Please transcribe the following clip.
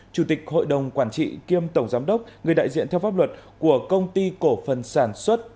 chủ tịch hội đồng quản trị kiêm tổng giám đốc người đại diện theo pháp luật của công ty cổ phần sản xuất